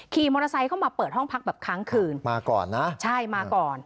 ขี่มอเตอร์ไซค์เข้ามาเปิดห้องพักแบบค้างคืนมาก่อนนะใช่มาก่อน